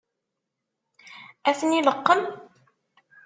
Ad ten-ileqqem?